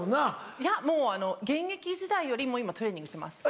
いやもう現役時代より今トレーニングしてます。